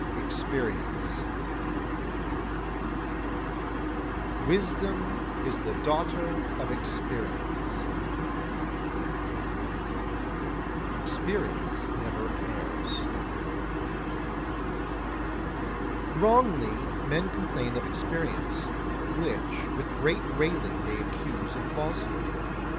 [Sidenote: Experience] 31. Wisdom is the daughter of experience. [Sidenote: Experience never Errs] 32. Wrongly men complain of experience, which with great railing they accuse of falsehood.